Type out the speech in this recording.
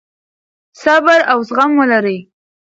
صبر او زغم ولرئ.